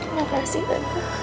terima kasih tante